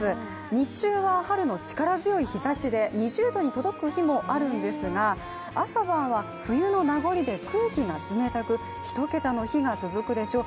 日中は春の力強い日ざしで２０度に届く日もあるんですが朝晩は冬のなごりで空気が冷たく一桁の日が続くでしょう。